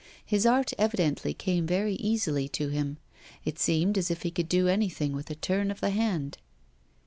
His art evidently came very easily to him; it seemed as if he could do anything with a turn of the hand.